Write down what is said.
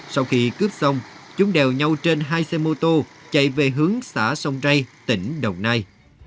sau khi cướp xong chúng đều nhau trên hai xe mô tô chạy về hướng xã sông ray tỉnh đồng nai